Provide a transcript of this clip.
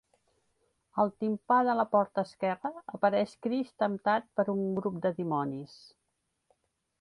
Al timpà de la porta esquerra apareix Crist temptat per un grup de dimonis.